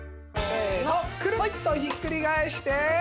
クルッとひっくり返して。